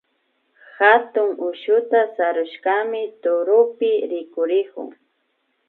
Hatun ushuta sarushkami turupi rikurikun